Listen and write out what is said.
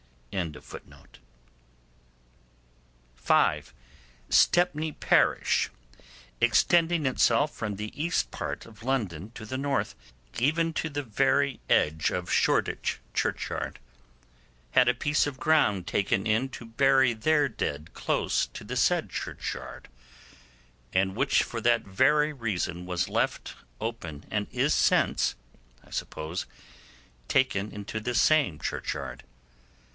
] (5) Stepney parish, extending itself from the east part of London to the north, even to the very edge of Shoreditch Churchyard, had a piece of ground taken in to bury their dead close to the said churchyard, and which for that very reason was left open, and is since, I suppose, taken into the same churchyard.